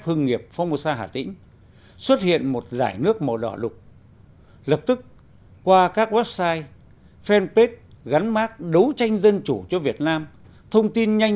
hưng nghiệp phong mô sa hà tĩnh